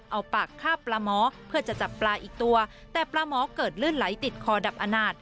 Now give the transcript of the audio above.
เอาปากคาบปลาหมอเพื่อจะจับปลาอีกตัวแต่ปลาหมอเกิดลื่นไหลติดคอดับอาณาจ